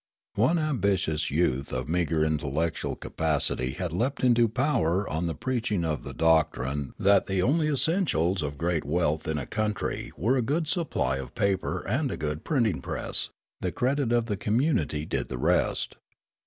One ambitious youth of meagre intellectual capacity had leapt into power on the preaching of the doctrine that the only essentials of great wealth in a country were a good supply of 214 Riallaro paper and a good printing press; the credit of the com munity did the rest.